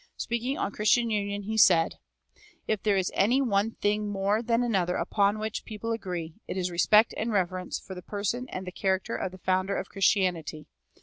Speaking on Christian union, he said: "If there is any one thing more than another upon which people agree, it is respect and reverence for the person and the character of the Founder of Christianity.